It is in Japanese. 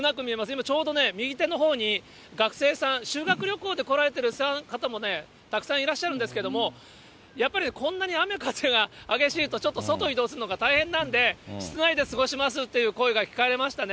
今ちょうどね、右手のほうに、学生さん、修学旅行で来られてる方もね、たくさんいらっしゃるんですけれども、やっぱりこんなに雨風が激しいと、ちょっと外移動するのが大変なんで、室内で過ごしますっていう声が聞かれましたね。